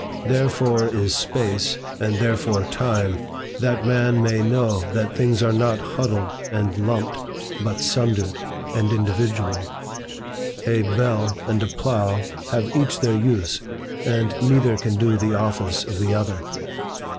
Therefore is Space, and therefore Time, that man may know that things are not huddled and lumped, but sundered and individual. A bell and a plough have each their use, and neither can do the office of the other.